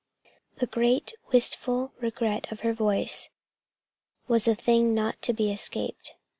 The great and wistful regret of her voice was a thing not to be escaped.